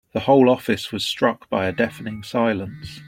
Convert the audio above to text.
The whole office was struck by a deafening silence.